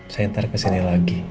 saya ntar kesini lagi